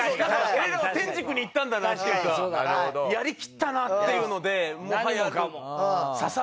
俺らは天竺に行ったんだなっていうかやりきったなっていうので「もはや刺さるもルールもない」っていう。